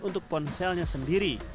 untuk ponselnya sendiri